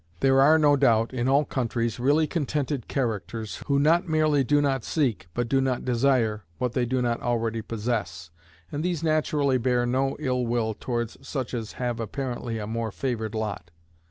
There are, no doubt, in all countries, really contented characters, who not merely do not seek, but do not desire, what they do not already possess, and these naturally bear no ill will towards such as have apparently a more favored lot.